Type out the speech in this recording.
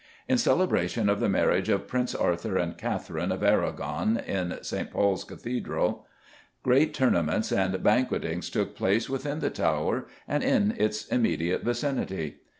In celebration of the marriage of Prince Arthur and Katherine of Aragon in St. Paul's Cathedral, great tournaments and banquetings took place within the Tower and in its immediate vicinity.